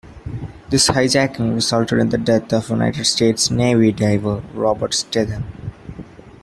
This hijacking resulted in the death of United States Navy diver Robert Stethem.